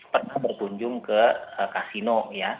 pernah berkunjung ke kasino